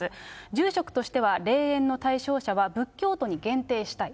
住職としては霊園の対象者は仏教徒に限定したい。